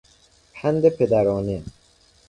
پند پدرانه